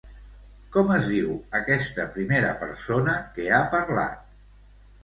Com es diu aquesta primera persona que ha parlat?